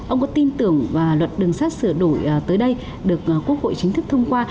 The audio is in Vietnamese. ông có tin tưởng và luật đường sắt sửa đổi tới đây được quốc hội chính thức thông qua